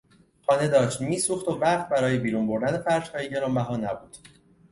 خانه داشت میسوخت و وقت برای بیرون بردن فرشهای گرانبها نبود.